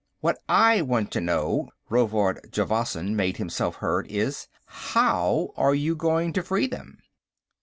"What I want to know," Rovard Javasan made himself heard, is, "how are you going to free them?"